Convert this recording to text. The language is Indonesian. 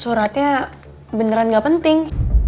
suratnya beneran gak penting